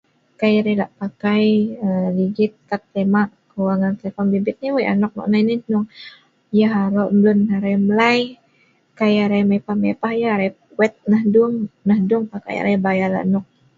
kai arai lak pakai err ligit kad trima kewangaan telepon bimbit nei weik anok nok hnei nei hnung yeh arok lun arai mlai kai arai mei pah mei pah yeh arai wet neh dung neh dung pakai arai bayar anuk